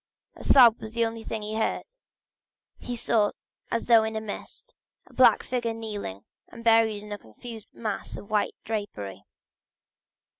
A sob was the only sound he heard. He saw as though in a mist, a black figure kneeling and buried in a confused mass of white drapery.